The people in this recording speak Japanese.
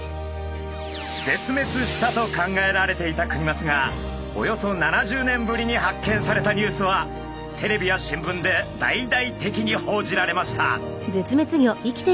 絶滅したと考えられていたクニマスがおよそ７０年ぶりに発見されたニュースはテレビや新聞で大々的に報じられました。